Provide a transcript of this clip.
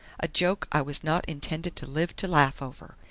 "A joke I was not intended to live to laugh over!"